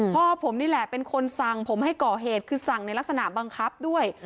พ่อผมนี่แหละเป็นคนสั่งผมให้ก่อเหตุคือสั่งในลักษณะบังคับด้วย